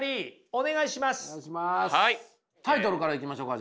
タイトルからいきましょうか？